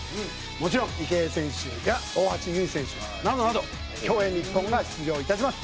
もちろん池江選手や大橋悠依選手などなど競泳日本が出場いたします。